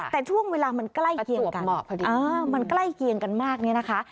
แต่ช่วงเวลามันใกล้เคียงกันมันใกล้เคียงกันมากเนี่ยนะคะ